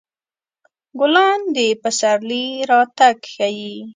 ګلان د پسرلي راتګ ښيي.